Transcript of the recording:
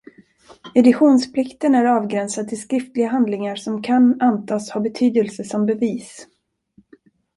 Editionsplikten är avgränsad till skriftliga handlingar som kan antas ha betydelse som bevis.